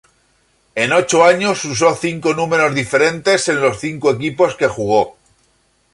En ocho años usó cinco números diferentes en los cinco equipos que jugó.